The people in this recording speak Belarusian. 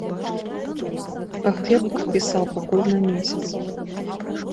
Глеб падпісаў пакуль на месяц.